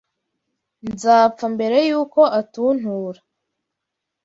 Nzapfa mbere yuko atuntura